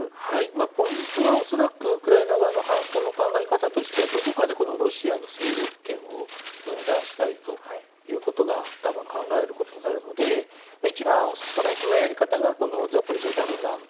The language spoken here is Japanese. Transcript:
ポイントは恐らくウクライナ側の反攻の考え方としてはどこかで、このロシアの勢力圏を分断したいということが多分考えることになるので一番ストレートなやり方がザポリージャからの南部。